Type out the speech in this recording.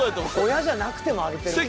親じゃなくても上げてる。